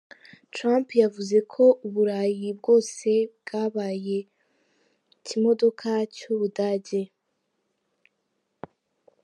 Trump yavuze ko u Burayi bwose bwabaye ikimodoka cy’u Budage’.